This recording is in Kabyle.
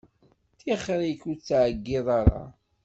Tixeṛ-ik ur ttɛeyyiḍ ara.